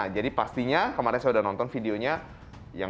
jadi pastinya kemarin saya sudah nonton videonya